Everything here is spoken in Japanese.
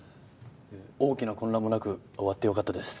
大きな混乱もなく終わってよかったです。